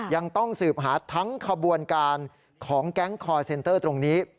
ยังต้องสืบหาทั้งขบวนการของแก๊งคอร์เซ็นเตอร์ตรงนี้